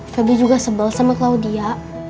febi juga sebel sama claudia